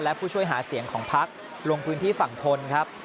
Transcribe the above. และผู้ช่วยหาเสียงของพักลงพื้นที่ฝั่งทนครับ